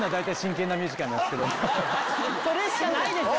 それしかないでしょ！